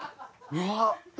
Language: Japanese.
うわっ！